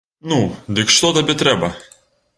Ну, дык што табе трэба?